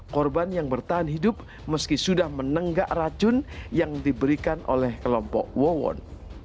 korban yang bertahan hidup meski sudah menenggak racun yang diberikan oleh kelompok wawon